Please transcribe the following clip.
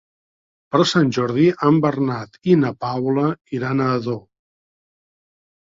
Per Sant Jordi en Bernat i na Paula iran a Ador.